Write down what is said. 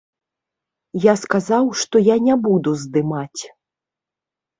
Я сказаў, што я не буду здымаць.